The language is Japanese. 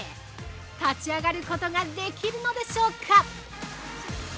立ち上がることができるのでしょうか。